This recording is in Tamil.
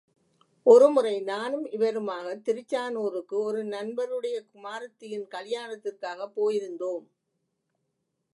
ஒருமுறை நானும் இவருமாகத் திருச்சானூருக்கு ஒரு நண்பருடைய குமாரத்தியின் கலியாணத்திற்காகப் போயிருந்தோம்.